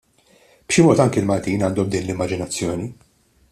B'xi mod anki l-Maltin għandhom din l-immaġinazzjoni.